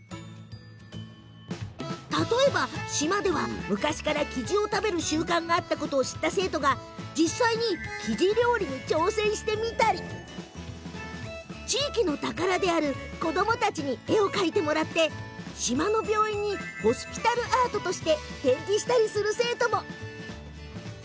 例えば島では昔からキジを食べる習慣があったことを知った生徒が実際にキジ料理に挑戦してみたり地域の宝である子どもたちに絵を描いてもらって島の病院にホスピタルアートとして展示したりする生徒も。